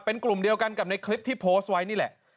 เป็นกลุ่มเดียวกันกับในคลิปที่โพสต์ไว้นี่แหละ